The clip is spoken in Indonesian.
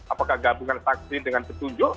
apakah gabungan saksi dengan petunjuk